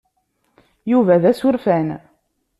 Yuba d asurfan.